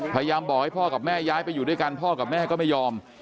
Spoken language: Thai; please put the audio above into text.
พยายามบอกให้พ่อกับแม่ย้ายไปอยู่ด้วยกันพ่อกับแม่ก็ไม่ยอม